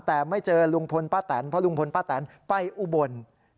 แต่ไม่เจอลุงพลป้าแตนเพราะลุงพลป้าแตนไปอุบล